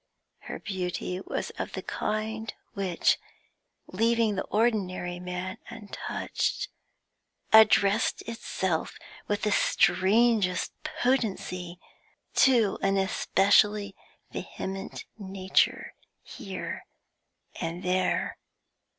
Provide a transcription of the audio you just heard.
Her beauty was of the kind which, leaving the ordinary man untouched, addressed itself with the strangest potency to an especially vehement nature here and there.